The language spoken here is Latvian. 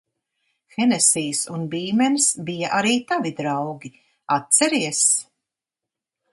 Henesijs un Bīmens bija arī tavi draugi, atceries?